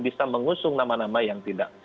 bisa mengusung nama nama yang tidak